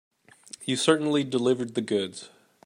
You certainly delivered the goods.